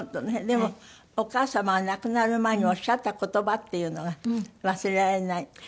でもお母様が亡くなる前におっしゃった言葉っていうのが忘れられない？